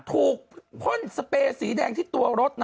ถูกพ่นสเปสสีแดงที่ตัวรถนะ